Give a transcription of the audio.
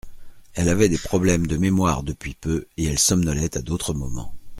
Elle avait des problèmes de mémoire depuis peu et elle somnolait à d’autres moments.